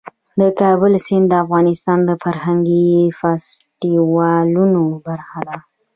د کابل سیند د افغانستان د فرهنګي فستیوالونو برخه ده.